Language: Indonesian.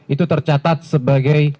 itu tercatat sebagai